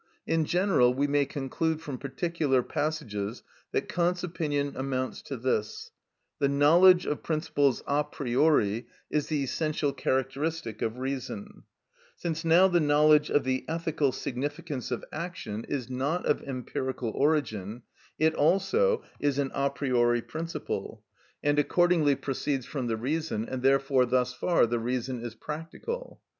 In general, we may conclude from particular passages that Kant's opinion amounts to this: the knowledge of principles a priori is the essential characteristic of reason: since now the knowledge of the ethical significance of action is not of empirical origin, it also is an a priori principle, and accordingly proceeds from the reason, and therefore thus far the reason is practical.